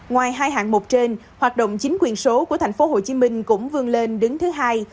ngoài hai hạng một trên hoạt động chính quyền số của thành phố hồ chí minh cũng vương lên đứng thứ hai